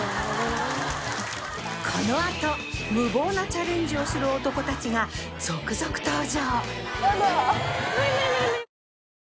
このあと無謀なチャレンジをする男たちが続々登場！